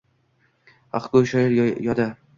Haqgo‘y shoir yodi